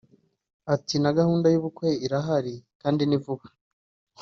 Ati « Na gahunda y’ubukwe irahari kandi ni vuba